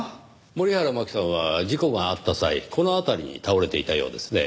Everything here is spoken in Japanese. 森原真希さんは事故があった際この辺りに倒れていたようですね。